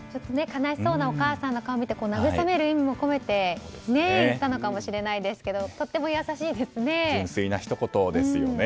悲しそうなお母さんの顔を見て慰める意味を込めて言ったのかもしれないですがとても優しいですね。